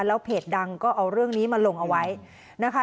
แล้วเพจดังก็เอาเรื่องนี้มาลงเอาไว้นะคะ